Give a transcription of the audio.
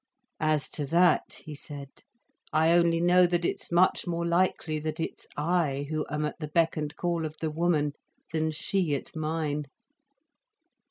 "As to that," he said, "I only know that it's much more likely that it's I who am at the beck and call of the woman, than she at mine."